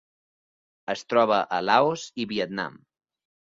Es troba a Laos i Vietnam.